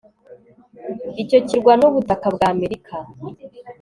Icyo kirwa nubutaka bwa Amerika